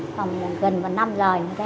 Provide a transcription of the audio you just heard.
khoảng gần vào năm rồi như thế